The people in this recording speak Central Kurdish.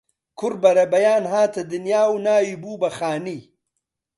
کوڕ بەرەبەیان هاتە دنیا و ناوی بوو بە خانی